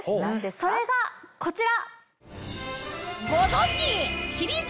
それがこちら！